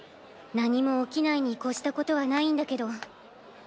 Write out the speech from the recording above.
何も起きないに越したことはないんだけど。